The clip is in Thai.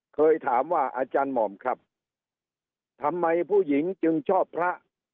เคยถามว่าอาจารย์หม่อมครับทำไมผู้หญิงจึงชอบพระ